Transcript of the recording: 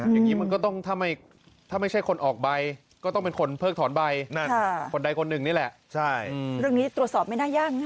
อย่างนี้มันก็ต้องทำให้ถ้าไม่ใช่คนออกใบก็ต้องเป็นคนเพิ่งถอนใบ